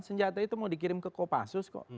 senjata itu mau dikirim ke kopassus kok